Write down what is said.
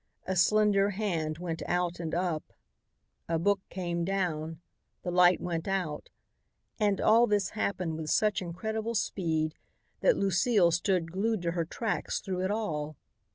A slender hand went out and up. A book came down. The light went out. And all this happened with such incredible speed that Lucile stood glued to her tracks through it all.